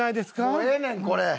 もうええねんこれ！